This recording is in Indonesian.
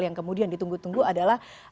yang kemudian ditunggu tunggu adalah